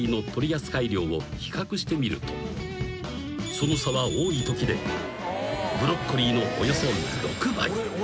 ［その差は多いときでブロッコリーのおよそ６倍］